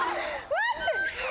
待って！